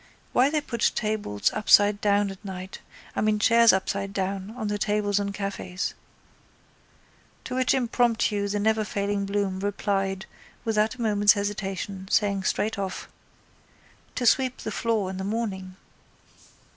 Why they put tables upside down at night, I mean chairs upside down, on the tables in cafés. To which impromptu the neverfailing Bloom replied without a moment's hesitation, saying straight off: —To sweep the floor in the morning.